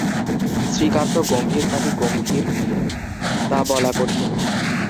শ্রীকান্ত গম্ভীর নাকি গম্ভীর তা বলা কঠিন।